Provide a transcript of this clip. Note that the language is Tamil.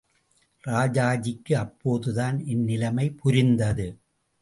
ராஜாஜிக்கு அப்போதுதான் என் நிலைமை புரிந்தது.